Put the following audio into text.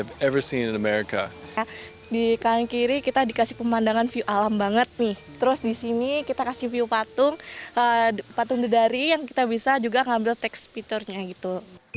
terus di sini kita kasih view patung patung dedari yang kita bisa juga ngambil text picture nya gitu